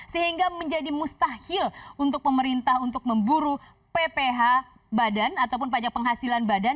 sehingga menjadi mustahil untuk pemerintah untuk memburu pph badan ataupun pajak penghasilan badan